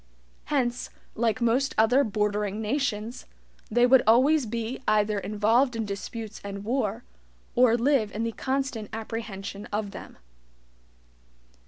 Hence, like most other BORDERING nations, they would always be either involved in disputes and war, or live in the constant apprehension of them.